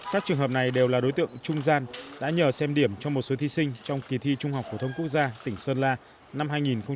các trường hợp này đều là đối tượng trung gian đã nhờ xem điểm cho một số thi sinh trong kỳ thi trung học phổ thông quốc gia tỉnh sơn la năm hai nghìn một mươi tám